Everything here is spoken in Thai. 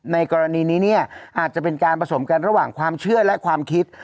ในกรณีนี้เนี่ยอาจจะเป็นการผสมกันระหว่างความเชื่อและความคิด